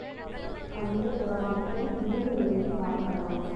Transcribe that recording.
கந்தபுராணத்தை மூன்று நிலையில் பார்க்கலாம்.